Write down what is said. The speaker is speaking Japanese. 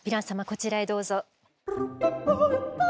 こちらへどうぞ。